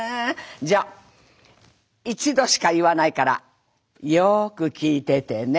じゃあ一度しか言わないからよく聞いててね。